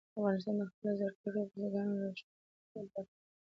افغانستان د خپلو زیارکښو بزګانو له شتون څخه ډک دی.